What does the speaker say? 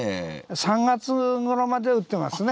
３月ごろまで売ってますね。